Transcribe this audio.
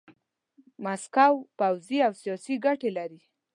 ماسکو پوځي او سیاسي ګټې لري.